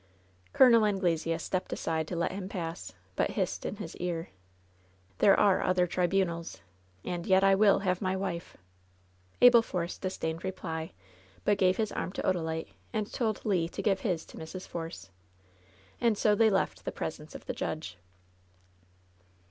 Col. Anglesea stepped aside to let him pass, but hissed in his ear: "There are other tribunals. And yet I will have my wife!" Abel Force disdained reply, but gave his arm to Oda lite, and told Le to give his to Mrs. Force. And so they left the presence of the judge.